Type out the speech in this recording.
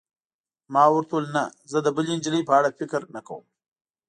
ما ورته وویل: نه، زه د بلې نجلۍ په اړه فکر نه کوم.